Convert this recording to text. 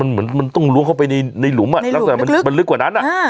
เหมือนมันต้องลงเข้าไปในหลุมแล้วจะลึกกว่านั้น